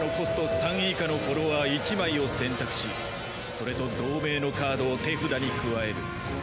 ３以下のフォロワー１枚を選択しそれと同名のカードを手札に加える。